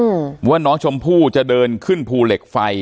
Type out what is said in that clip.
อืมว่าน้องชมพู่จะเดินขึ้นภูเหล็กไฟ